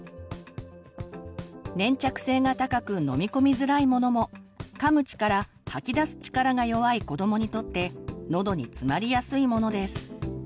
粘着性が高く飲み込みづらいものもかむ力吐き出す力が弱い子どもにとってのどに詰まりやすいものです。